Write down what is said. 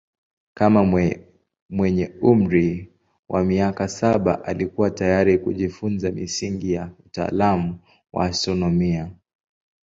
Kama mwenye umri wa miaka saba alikuwa tayari kujifunza misingi ya utaalamu wa astronomia.